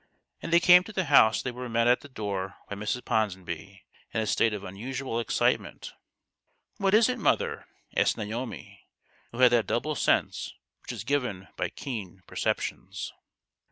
As they came to the house they were met at i62 THE GHOST OF THE PAST. the door by Mrs. Ponsonby in a state of unusual excitement. " What is it, mother ?" asked Naomi, who had that double sense which is given by keen perceptions.